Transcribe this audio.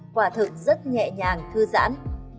quả thực rất nhẹ nhàng thư giãn